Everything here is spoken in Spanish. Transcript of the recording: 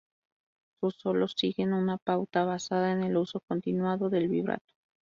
Sus solos siguen una pauta basada en el uso continuado del vibrato.